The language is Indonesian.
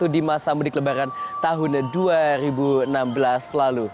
di masa mudik lebaran tahun dua ribu enam belas lalu